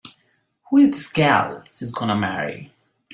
Who's this gal she's gonna marry?